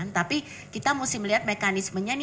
tapi kita harus melihat mekanismenya